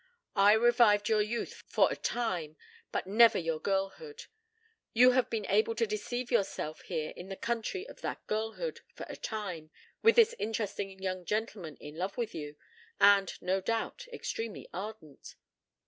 I revived your youth for a time, but never your girlhood. You have been able to deceive yourself here in the country of that girlhood, for a time, with this interesting young gentleman in love with you, and, no doubt, extremely ardent."